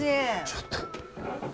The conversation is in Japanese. ちょっと。